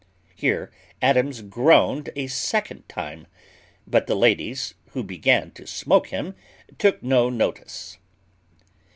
Here Adams groaned a second time; but the ladies, who began to smoke him, took no notice.